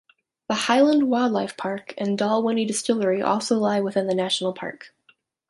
The Highland Wildlife Park and Dalwhinnie distillery also lie within the National Park.